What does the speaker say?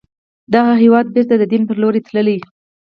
دغه هېواد بیرته د دين پر لور تللی